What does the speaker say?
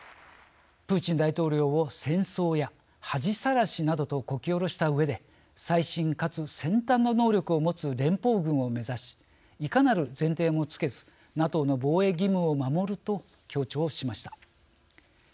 プーチン大統領を戦争屋、恥さらしなどとこきおろしたうえで最新かつ先端の能力を持つ連邦軍を目指しいかなる前提もつけずＮＡＴＯの防衛義務を守ると強調しました。